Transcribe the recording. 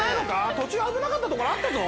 途中危なかったところあったぞ。